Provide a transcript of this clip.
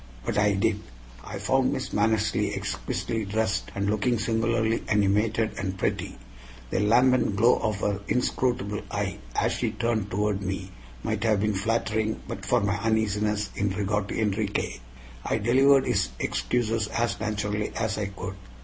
But I did. I found Miss Mannersley exquisitely dressed and looking singularly animated and pretty. The lambent glow of her inscrutable eye as she turned toward me might have been flattering but for my uneasiness in regard to Enriquez. I delivered his excuses as naturally as I could.